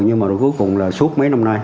nhưng mà cuối cùng là suốt mấy năm nay